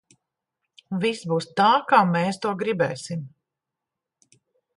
Viss būs tā, kā mēs to gribēsim!